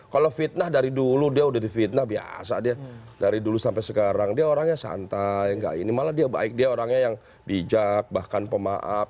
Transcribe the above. kalau fitnah dari dulu dia udah difitnah biasa dia dari dulu sampai sekarang dia orangnya santai ini malah dia baik dia orangnya yang bijak bahkan pemaaf